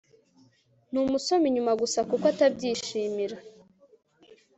Ntumusoma inyuma gusa kuko atabyishimira